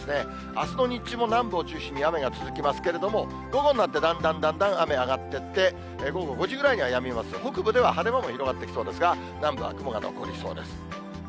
あすの日中も南部を中心に雨が続きますけれども、午後になってだんだんだんだん雨上がっていって、午後５時ぐらいにはやみますが、北部では晴れ間も広がってきそうですが、南部は雲が残りそうです。